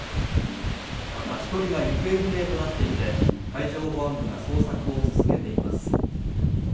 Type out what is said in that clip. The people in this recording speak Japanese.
また、１人が行方不明となっていて海上保安部が捜索を続けています。